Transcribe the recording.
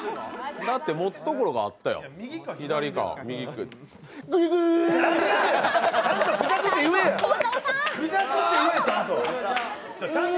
だって持つところがあったもん。